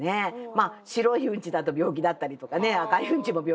まあ白いうんちだと病気だったりとかね赤いうんちも病気だったりとかしますけれども